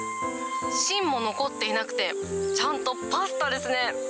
芯も残っていなくて、ちゃんとパスタですね。